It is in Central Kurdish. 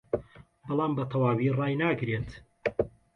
بەڵام بەتەواوی ڕایناگرێت